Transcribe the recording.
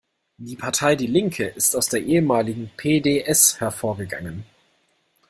Die Partei die Linke ist aus der ehemaligen P-D-S hervorgegangen.